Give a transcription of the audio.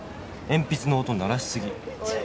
鉛筆の音鳴らしすぎ」